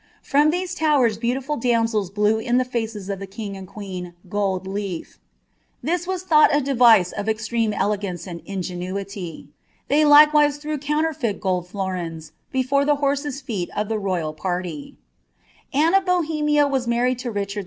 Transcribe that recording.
From these ren beautiful damsels blew in the fitccs of the king and queen gold *; (bia was thought a device of eiitreme elegance and ingenuity; they itrbe threw counterfeit gold florins before the horses' feel of the royal Hjiiie of Bohemia was married to Richard II.